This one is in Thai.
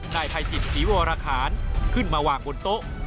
นายภัยจิตศรีวรคารขึ้นมาวางบนโต๊ะ